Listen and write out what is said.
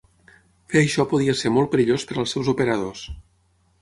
Fer això podia ser molt perillós per als seus operadors.